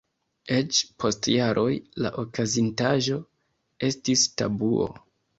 Eĉ, post jaroj la okazintaĵo estis tabuo.